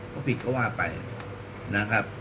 ก็ผิดก็ว่าไปนะครับ